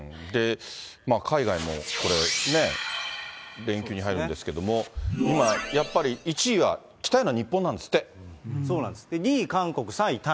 海外もこれ、連休に入るんですけれども、今、やっぱり１位は行きたいのは日本なんですって。